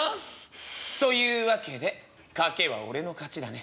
「というわけで賭けは俺の勝ちだね。